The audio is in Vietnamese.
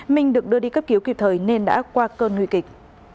minh được đưa đi cấp cứu kịp thời nên đã qua cơn nguy kịch